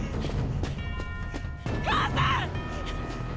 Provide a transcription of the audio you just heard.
母さん！